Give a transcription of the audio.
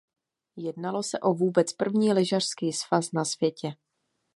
Jednalo se o vůbec první lyžařský svaz na světě.